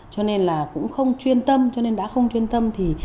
cho nên là cũng không chuyên tâm cho nên đã không chuyên tâm thì